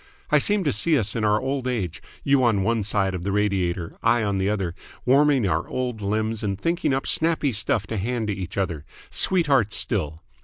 I seem to see us in our old age, you on one side of the radiator, I on the other, warming our old limbs and thinking up snappy stuff to hand to each other sweethearts still!